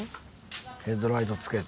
ヘッドライトつけて。